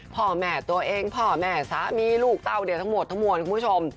พ่อแม่ตัวเองพ่อแม่สามีลูกเต้าเนี่ยทั้งหมดทั้งมวลคุณผู้ชม